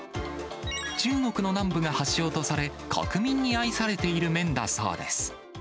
中国の南部が発祥とされ、国民に愛されている麺だそうです。